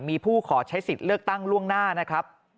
มีผู้ขอใช้สิทธิ์เลือกตั้งล่วงหน้านะครับ